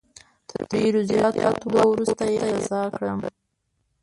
تر ډېرو زیاتو وعدو وروسته یې رضا کړم.